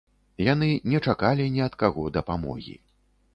Яны не чакалі ні ад каго дапамогі!